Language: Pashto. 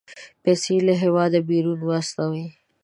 پيسې له هېواده بيرون واستوي.